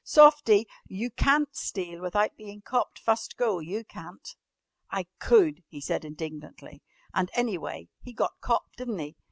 Softie! You can't steal without bein' copped fust go, you can't." "I could!" he said indignantly. "And, any way, he got copped di'n't he?